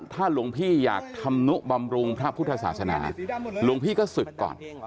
ถ้าหลวงพี่อยากทำนุบำรุงพระพุทธศาสนาหลวงพี่ก็ศึกก่อน